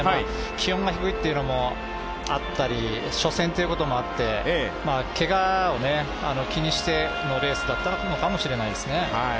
気温が低いというのもあったり、初戦ということもあってけがを気にしてのレースだったのかもしれないですね。